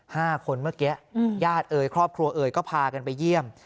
ห้าคนเมื่อกี้อืมญาติเอ่ยครอบครัวเอ๋ยก็พากันไปเยี่ยม